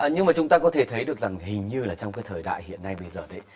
nhưng mà chúng ta có thể thấy được rằng hình như là trong cái thời đại hiện nay bây giờ đấy